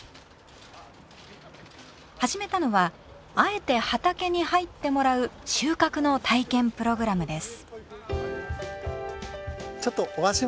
始めたのはあえて畑に入ってもらう収穫の体験プログラムです。